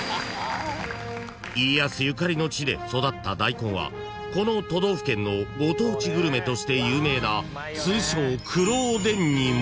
［家康ゆかりの地で育ったダイコンはこの都道府県のご当地グルメとして有名な通称黒おでんにも］